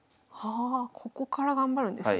あここから頑張るんですね。